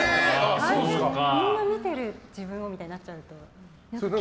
みんな見てる、自分をみたいになっちゃうので。